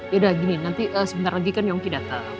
yaudah gini nanti sebentar lagi kan yonggi datang